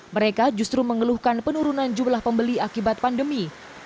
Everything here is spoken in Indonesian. mereka justru mengeluhkan penurunan jumlah pembeli akibat pandemi